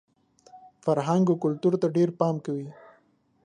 فرهنګ او کلتور ته ډېر پام کوئ!